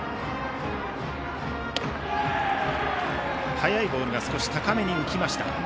速いボールが少し高めに浮きました。